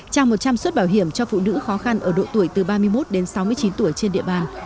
trao một trăm linh suất bảo hiểm cho phụ nữ khó khăn ở độ tuổi từ ba mươi một đến sáu mươi chín tuổi trên địa bàn